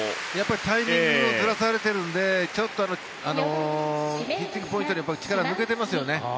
タイミングをずらされているのでちょっとヒッティングポイントで力が抜けてますよね。